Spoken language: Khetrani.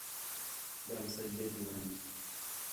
ٻِیال سجدے تی ون٘ڄ